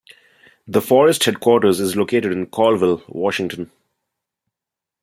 The forest headquarters is located in Colville, Washington.